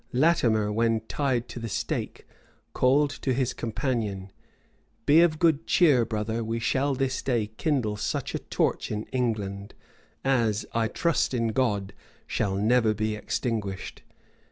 Latimer, when tied to the stake, called to his companion, "Be of good cheer, brother; we shall this day kindle such a torch in England, as, I trust in God, shall never be extinguished."